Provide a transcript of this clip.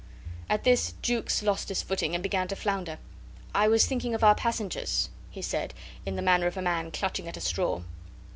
At this Jukes lost his footing and began to flounder. "I was thinking of our passengers," he said, in the manner of a man clutching at a straw.